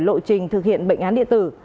lộ trình thực hiện bệnh án điện tử